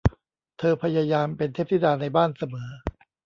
เธอพยายามเป็นเทพธิดาในบ้านเสมอ